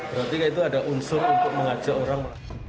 berarti itu ada unsur untuk mengajak orang